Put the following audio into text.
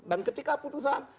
dan ketika putusan